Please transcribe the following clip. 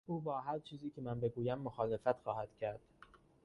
او با هرچیزی که من بگویم مخالفت خواهد کرد.